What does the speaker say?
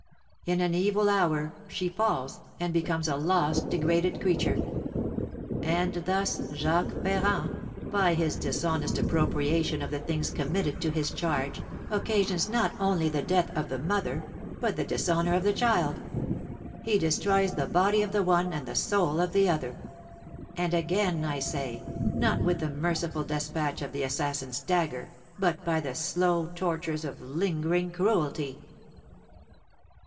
In an evil hour she falls, and becomes a lost, degraded creature. And thus Jacques Ferrand, by his dishonest appropriation of the things committed to his charge, occasions not only the death of the mother, but the dishonour of the child; he destroys the body of the one and the soul of the other, and again, I say, not with the merciful despatch of the assassin's dagger, but by the slow tortures of lingering cruelty!"